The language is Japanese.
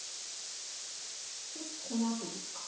でこのあとですか。